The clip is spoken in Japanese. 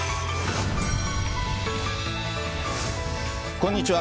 こんにちは。